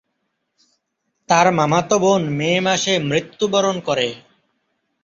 তার মামাতো বোন মে মাসে মৃত্যুবরণ করে।